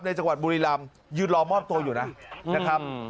จังหวัดบุรีรำยืนรอมอบตัวอยู่นะครับ